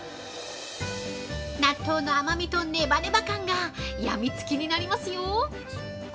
納豆の甘みとネバネバ感がやみつきになりますよ！